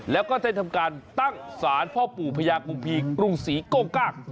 แล้วก็ได้ทำการตั้งศาลพ่อแผวนพี่พี่กรุงศรีโก้กล้าง